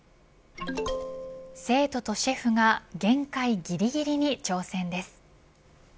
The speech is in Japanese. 生徒とシェフが限界ぎりぎりに挑戦です。